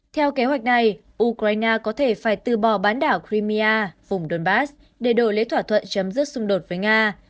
theo kế hoạch này ukraine có thể phải từ bò bán đảo crimea để đổi lấy thỏa thuận chấm dứt xung đột với nga